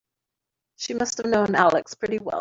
She must have known Alex pretty well.